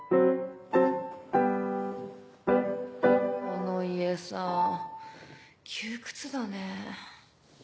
この家さぁ窮屈だね。